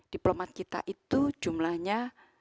diplomat kita itu jumlahnya